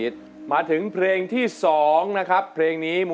ตั้งแต่ท่อนนี้ครับเฝ้ารอเธอ